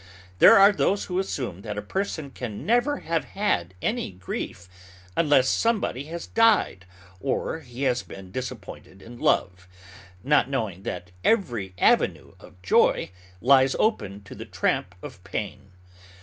There are those who assume that a person can never have had any grief, unless somebody has died, or he has been disappointed in love, not knowing that every avenue of joy lies open to the tramp of pain.